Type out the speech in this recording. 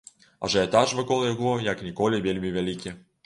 Ажыятаж вакол яго як ніколі вельмі вялікі.